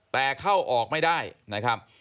แต่เข้าออกไม่ได้นะครับ